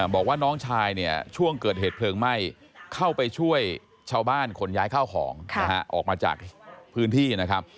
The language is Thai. บอกว่าน้องชายเนี่ยช่วงเกิดเหตุเพลิงไหม้เข้าไปช่วยชาวบ้านขนย้ายข้าวของออกมาจากพื้นที่นะครับ